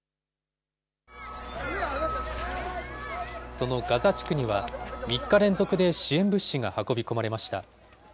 そのガザ地区には、３日連続で支援物資が運び込まれました。